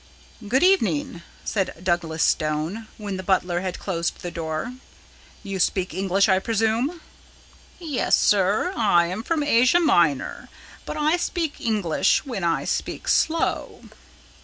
"Good evening," said Douglas Stone, when the butler had closed the door. "You speak English, I presume?" "Yes, sir. I am from Asia Minor, but I speak English when I speak slow."